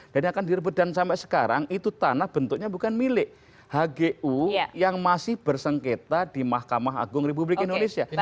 dan akan direbut dan sampai sekarang itu tanah bentuknya bukan milik hgu yang masih bersengketa di mahkamah agung republik indonesia